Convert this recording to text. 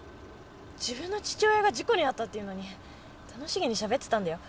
自分の父親が事故に遭ったというのに楽しげにしゃべってたんだよ。